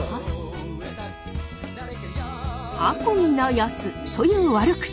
「あこぎなやつ」という悪口。